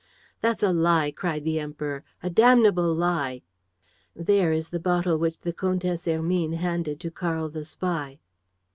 "That's a lie!" cried the Emperor. "A damnable lie!" "There is the bottle which the Comtesse Hermine handed to Karl the spy."